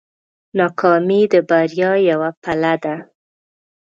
ناکامي د بریا یوه پله ده.